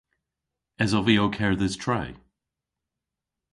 Esov vy ow kerdhes tre?